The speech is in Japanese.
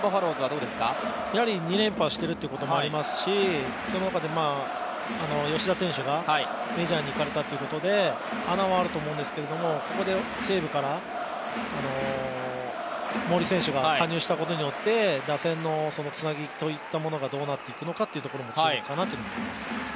やはり２連覇していることもありますし、吉田選手がメジャーに行かれたということで穴はあると思うんですけれども、ここで西武から森選手が加入したことによって打線のつなぎといったものがどうなっていくかというところも注目かなというふうに思います。